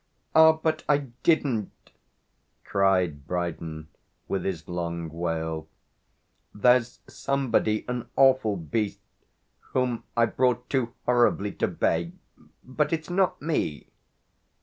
"Ah but I didn't!" cried Brydon with his long wail. "There's somebody an awful beast; whom I brought, too horribly, to bay. But it's not me."